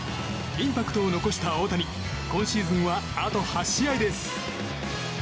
インパクトを残した大谷今シーズンは、あと８試合です。